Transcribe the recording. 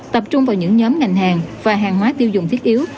tập trung vào những nhóm ngành hàng và hàng hóa tiêu dùng thiết yếu